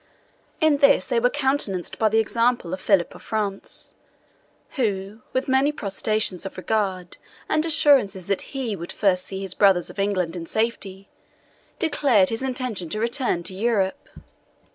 In this they were countenanced by the example of Philip of France, who, with many protestations of regard, and assurances that he would first see his brother of England in safety, declared his intention to return to Europe.